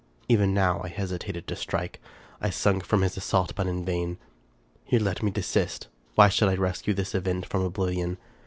Even now I hesitated to strike. I shrunk from his assault, but in vain. Here let me desist. Why should I rescue this event from oblivion?